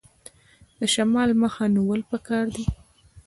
د شمال مخه نیول پکار دي؟